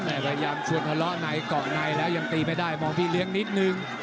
พยายามชวนทะเลาะในเกาะในแล้วยังตีไม่ได้มองพี่เลี้ยงนิดนึง